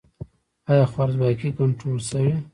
آیا خوارځواکي کنټرول شوې؟